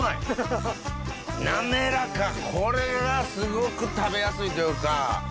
これはすごく食べやすいというか。